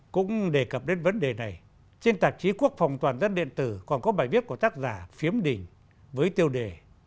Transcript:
cũng đề cập đến vấn đề này trên tạp chí quốc phòng toàn dân điện tử còn có bài viết của tác giả phiếm đình với tiêu đề